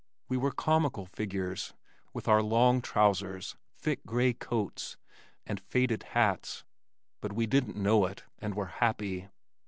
We were comical figures, with our long trousers, thick gray coats and faded hats, but we didn't know it and were happy.